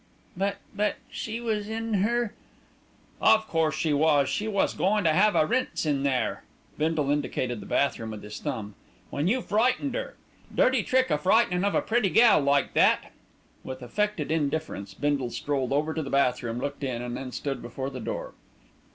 "But but she was in her " "Of course she was, she was goin' to 'ave a rinse in there," Bindle indicated the bathroom with his thumb, "when you frightened 'er. Dirty trick a frightening of a pretty gal like that." With affected indifference Bindle strolled over to the bathroom, looked in and then stood before the door.